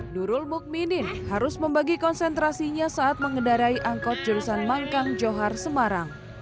nurul mukminin harus membagi konsentrasinya saat mengendarai angkot jurusan mangkang johar semarang